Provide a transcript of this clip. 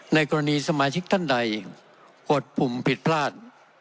ในกรณีสมาชิกท่านใดกดปุ่มผิดพลาด